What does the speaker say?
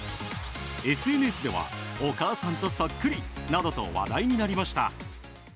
ＳＮＳではお母さんとそっくりなどと話題になりました。